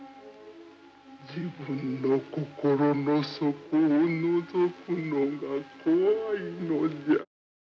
自分の心の底をのぞくのが怖いのじゃ。